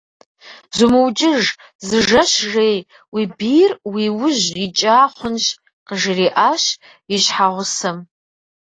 Зумыукӏыж, зы жэщ жей, уи бийр уи ужь икӏа хъунщ, - къыжриӏащ и щхьэгъусэм.